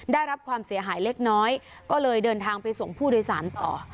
ได้รับความเสียหายเล็กน้อยก็เลยเดินทางไปส่งผู้โดยสารต่อ